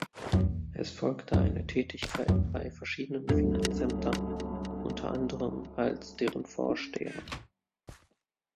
Es folgte eine Tätigkeit bei verschiedenen Finanzämtern, unter anderem als deren Vorsteher.